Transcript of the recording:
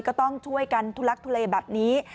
ก็ต้องช่วยกันทุลักทุเลแบบนี้